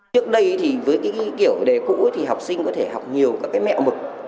trước đây thì với cái kiểu đề cũ thì học sinh có thể học nhiều các cái mẹo mực